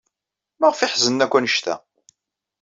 Maɣef ay ḥeznen akk anect-a?